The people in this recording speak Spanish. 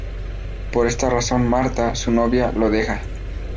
Por esta razón Marta, su novia, lo deja.